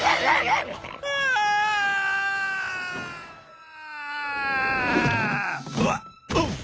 ああ！